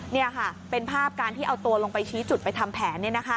นี่ค่ะเป็นภาพการที่เอาตัวลงไปชี้จุดไปทำแผน